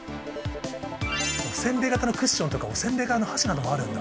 おせんべい型のクッションとかおせんべい柄の箸などもあるんだ。